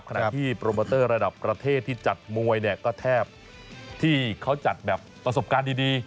ขณะที่โปรโมเตอร์ระดับประเทศที่จัดมวยเนี่ยก็แทบที่เขาจัดแบบประสบการณ์ดี